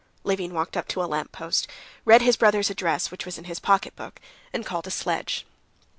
Levin walked up to a lamppost, read his brother's address, which was in his pocketbook, and called a sledge.